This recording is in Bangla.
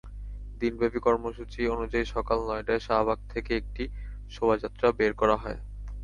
দিনব্যাপী কর্মসূচি অনুযায়ী সকাল নয়টায় শাহবাগ থেকে একটি শোভাযাত্রা বের করা হয়।